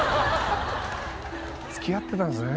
付き合ってたんすね